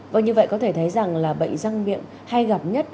vâng như vậy có thể thấy rằng là bệnh răng miệng hay gặp nhất